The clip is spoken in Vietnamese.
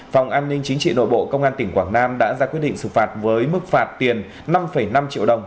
phòng an ninh chính trị nội bộ công an tỉnh quảng nam đã ra quyết định xử phạt với mức phạt tiền năm năm triệu đồng